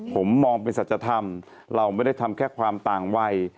ผมมองเป็นสัจธรรมเราไม่ได้ทำแค่ความต่างวัย